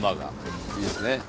いいですね。